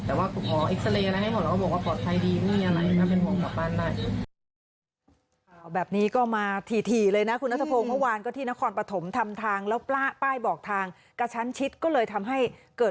แต่ว่าขอเอ็กซาเรย์อะไรให้หมดแล้วก็บอกว่าปลอดภัยดีไม่มีอะไรน่าเป็นห่วงกลับบ้านได้